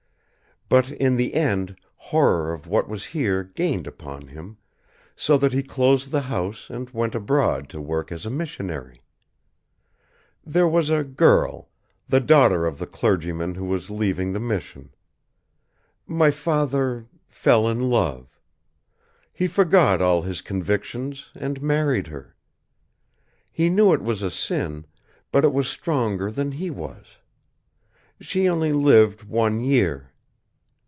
But in the end horror of what was here gained upon him so that he closed the house and went abroad to work as a missionary. There was a girl; the daughter of the clergyman who was leaving the mission. My father fell in love. He forgot all his convictions and married her. He knew it was a sin, but it was stronger than he was. She only lived one year.